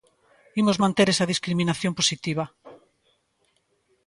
Imos manter esa discriminación positiva.